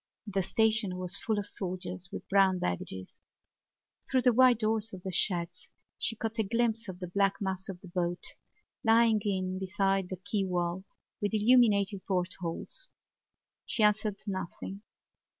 The station was full of soldiers with brown baggages. Through the wide doors of the sheds she caught a glimpse of the black mass of the boat, lying in beside the quay wall, with illumined portholes. She answered nothing.